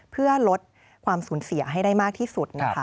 เพื่อลดความสูญเสียให้ได้มากที่สุดนะคะ